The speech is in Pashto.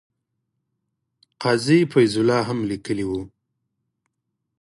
قاضي فیض الله هم لیکلي وو.